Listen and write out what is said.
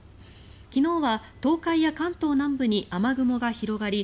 昨日は東海や関東南部に雨雲が広がり